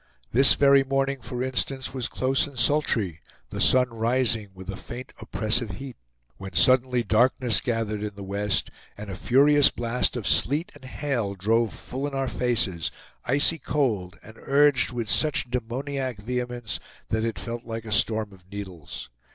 This very morning, for instance, was close and sultry, the sun rising with a faint oppressive heat; when suddenly darkness gathered in the west, and a furious blast of sleet and hail drove full in our faces, icy cold, and urged with such demoniac vehemence that it felt like a storm of needles.